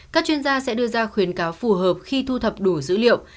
các chuyên gia sẽ đưa ra khuyến cáo phù hợp khi thu thập đủ dữ liệu